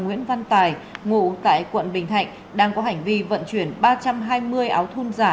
nguyễn văn tài ngụ tại quận bình thạnh đang có hành vi vận chuyển ba trăm hai mươi áo thun giả